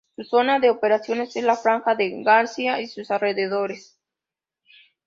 Su zona de operaciones es la Franja de Gaza i sus alrededores.